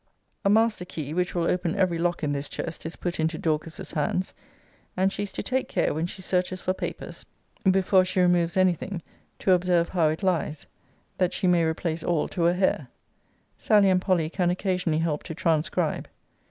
A master key, which will open every lock in this chest, is put into Dorcas's hands; and she is to take care, when she searches for papers, before she removes any thing, to observe how it lies, that she may replace all to a hair. Sally and Polly can occasionally help to transcribe.